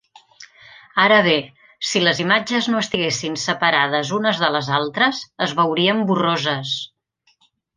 Ara bé, si les imatges no estiguessin separades unes de les altres, es veurien borroses.